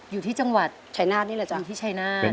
อยู่ที่จังหวัดชายนาฏนี่แหละจ๊ะ